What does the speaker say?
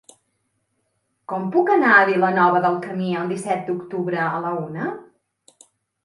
Com puc anar a Vilanova del Camí el disset d'octubre a la una?